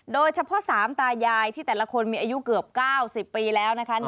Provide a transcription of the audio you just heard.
โดยเฉพาะ๓ตายายที่แต่ละคนมีอายุเกือบ๙๐ปีแล้วนะคะ